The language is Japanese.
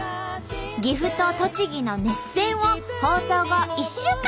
岐阜と栃木の熱戦を放送後１週間見られます！